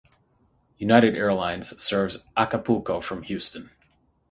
United Airlines serves Acapulco from Houston.